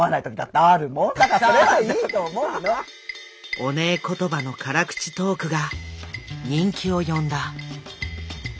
オネエ言葉の辛口トークが人気を呼んだ。